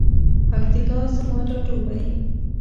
پکتیکا زما ټاټوبی.